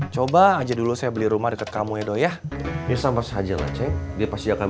coba aja dulu saya beli rumah deket kamu ya doy ya bisa mas hajalah cek dia pasti akan